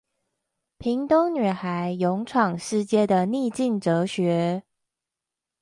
屏東女孩勇闖世界的逆境哲學